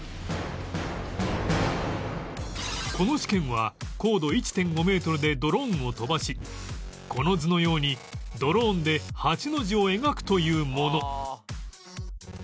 この試験は高度 １．５ メートルでドローンを飛ばしこの図のようにドローンで８の字を描くというもの